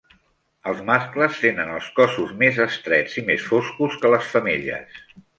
Els mascles tenen els cossos més estrets i més foscos que les femelles.